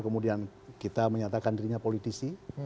kemudian kita menyatakan dirinya politisi